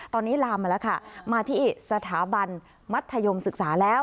ตอนนี้ลามมาแล้วค่ะมาที่สถาบันมัธยมศึกษาแล้ว